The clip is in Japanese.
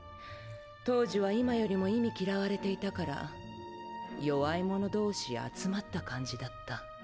当時は今よりも忌み嫌われていたから弱い者同士集まった感じだった。